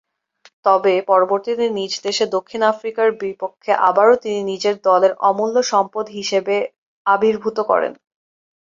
তবে, পরবর্তীতে নিজ দেশে দক্ষিণ আফ্রিকার বিপক্ষে আবারও তিনি নিজেকে দলের অমূল্য সম্পদ হিসেবে আবির্ভূত করেন।